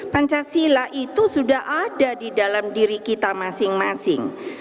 pancasila itu sudah ada di dalam diri kita masing masing